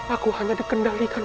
aku hanya dikendalikan